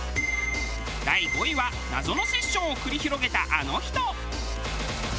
第５位は謎のセッションを繰り広げたあの人。